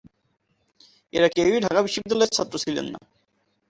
এরা কেউই ঢাকা বিশ্ববিদ্যালয়ের ছাত্র ছিলেন না।